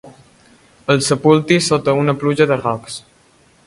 El sepulti sota una pluja de rocs.